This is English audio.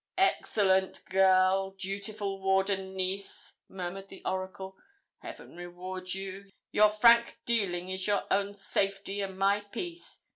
'Excellent girl! dutiful ward and niece!' murmured the oracle; 'heaven reward you your frank dealing is your own safety and my peace.